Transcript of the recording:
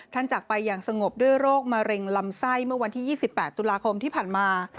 จากไปอย่างสงบด้วยโรคมะเร็งลำไส้เมื่อวันที่๒๘ตุลาคมที่ผ่านมา